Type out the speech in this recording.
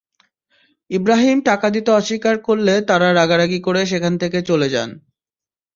ইব্রাহিম টাকা দিতে অস্বীকার করলে তাঁরা রাগারাগি করে সেখান থেকে চলে যান।